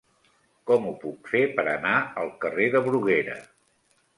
Com ho puc fer per anar al carrer de Bruguera?